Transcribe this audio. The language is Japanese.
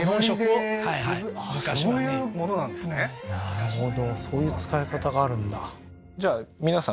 なるほどそういう使い方があるんだじゃあ